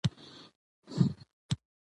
مېلې د سولي، یووالي او ورورولۍ سېمبولونه دي.